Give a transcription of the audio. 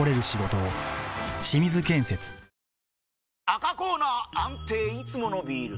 赤コーナー安定いつものビール！